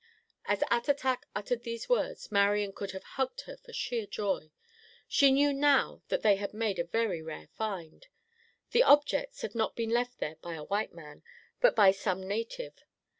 As Attatak uttered these words Marian could have hugged her for sheer joy. She knew now that they had made a very rare find. The objects had not been left there by a white man, but by some native.